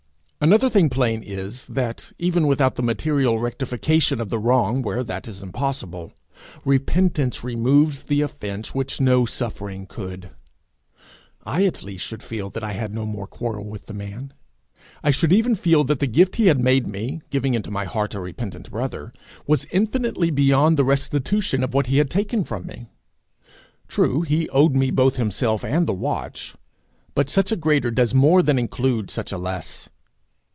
Another thing plain is, that, even without the material rectification of the wrong where that is impossible, repentance removes the offence which no suffering could. I at least should feel that I had no more quarrel with the man. I should even feel that the gift he had made me, giving into my heart a repentant brother, was infinitely beyond the restitution of what he had taken from me. True, he owed me both himself and the watch, but such a greater does more than include such a less.